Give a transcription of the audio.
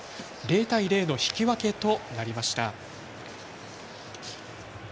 ０対０の引き分けとなりました。